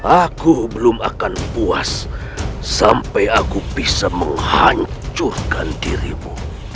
aku belum akan puas sampai aku bisa menghancurkan dirimu